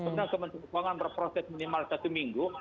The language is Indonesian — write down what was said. kemudian kementerian keuangan berproses minimal satu minggu